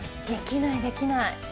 できない、できない。